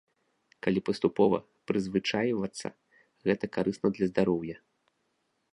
Калі паступова прызвычайвацца, гэта карысна для здароўя?